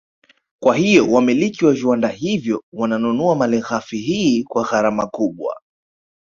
Kwa hiyo wamiliki wa viwanda hivyo wananunua Malighafi hii kwa gharama kubwa